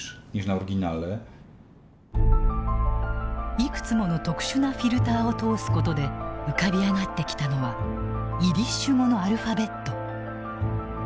いくつもの特殊なフィルターを通すことで浮かび上がってきたのはイディッシュ語のアルファベット。